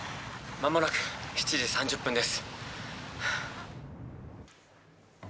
間もなく７時３０分です。